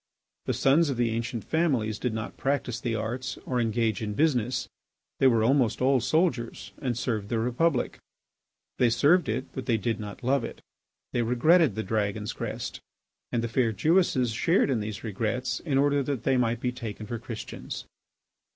The sons of the ancient families did not practise the arts or engage in business. They were almost all soldiers and served the Republic. They served it, but they did not love it; they regretted the dragon's crest. And the fair Jewesses shared in these regrets in order that they might be taken for Christians.